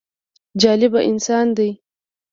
جالبه انسان دی.